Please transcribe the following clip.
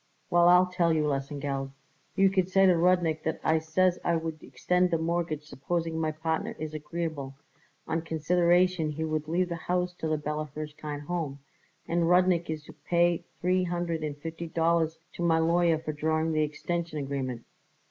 "Well, I'll tell you," Lesengeld said; "you could say to Rudnik that I says I would extend the mortgage supposing my partner is agreeable, on consideration he would leave the house to the Bella Hirshkind Home, and Rudnik is to pay three hundred and fifty dollars to my lawyer for drawing the extension agreement."